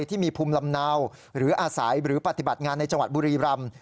ที่มีภูมิลำเนาหรืออาศัยหรือปฏิบัติงานในจังหวัดบุรีรำ